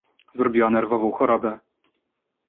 "Zrobiła nerwową chorobę!..."